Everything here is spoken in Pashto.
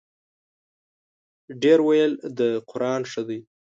ـ ډېر ویل د قران ښه دی.